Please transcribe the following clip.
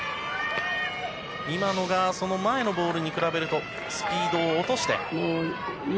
今のがその前のボールに比べるとスピードを落として。